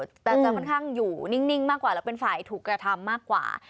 แต่จะค่อนข้างอยู่นิ่งมากกว่าแล้วเป็นฝ่ายถูกกระทำมากกว่า